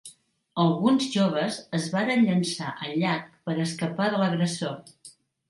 Alguns joves es varen llançar al llac per escapar de l'agressor.